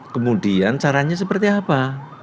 kemudian caranya seperti apa